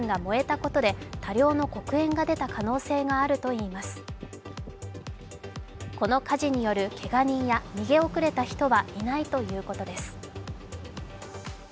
この火事によるけが人や逃げ遅れた人はいないということです。